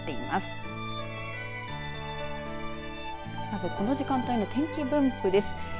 まず、この時間帯の天気分布です。